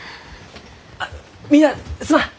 あみんなすまん。